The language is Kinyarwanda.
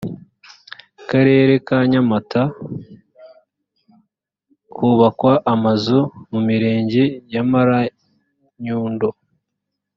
karere ka nyamata hubakwa amazu mu mirenge ya maranyundo